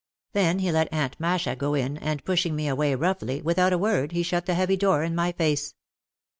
Then he let Aunt Masha go in and pushing me away roughly without a word he shut the heavy door in my face.